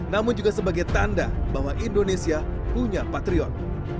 namun juga sebagai tanda bahwa indonesia punya patriot